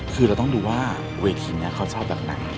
คือเราต้องดูว่าเวทีนี้เขาชอบแบบไหน